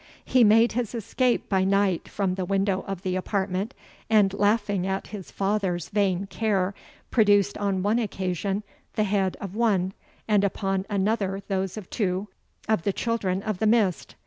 He made his escape by night from the window of the apartment, and laughing at his father's vain care, produced on one occasion the head of one, and upon another those of two, of the Children of the Mist.